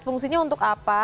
fungsinya untuk apa